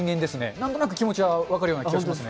なんとなく気持ちは分かるようなそうなの？